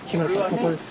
ここです。